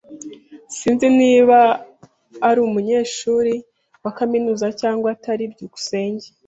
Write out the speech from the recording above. Sinzi niba ari umunyeshuri wa kaminuza cyangwa atari. byukusenge